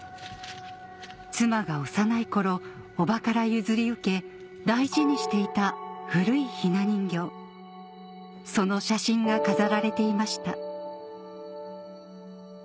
妻が幼い頃おばから譲り受け大事にしていた古いひな人形その写真が飾られていました